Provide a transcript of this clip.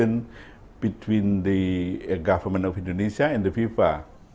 antara gemenpora indonesia dan fifa